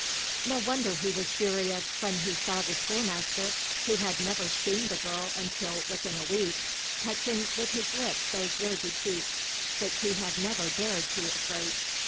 No wonder he was furious, when he saw the school master, who had never seen the girl until within a week, touching with his lips those rosy cheeks which he had never dared to approach.